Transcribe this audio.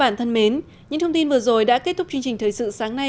nhiều chương trình đặc biệt diễn ra trong lễ hội này